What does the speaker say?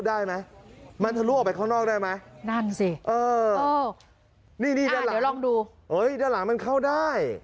ด้านหลังมันเข้าได้